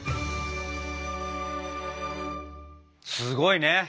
すごいね！